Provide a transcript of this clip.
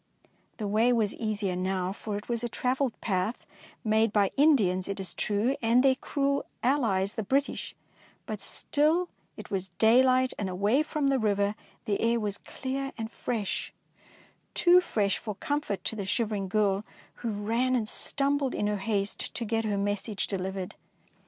The way was easier now, for it was a travelled path, made by Indians, it is true, and their cruel allies the Brit ish, but still it was daylight, and away from the river the air was clear and fresh, — too fresh for comfort to the shivering girl, who ran and stumbled in her haste to get her message de livered.